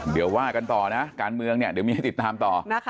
เดี๋ยวว่ากันต่อนะการเมืองเนี่ยเดี๋ยวมีให้ติดตามต่อ